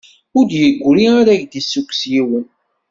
Ur d-yegri ara k-d-yessukkes yiwen.